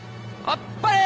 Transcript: あっぱれ！」。